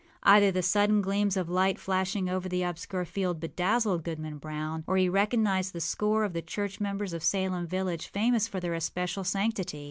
Either the sudden gleams of light flashing over the obscure field bedazzled Goodman Brown, or he recognized a score of the church members of Salem village famous for their especial sanctity.